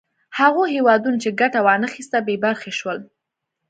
هغو هېوادونو چې ګټه وا نه خیسته بې برخې شول.